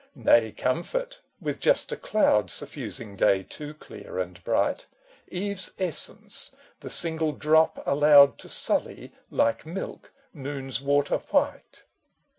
Nay, comfort — with just a cloud Suffusing day too clear and bright : Eve's essence, the single drop allowed To sully, like milk, Noon's water white.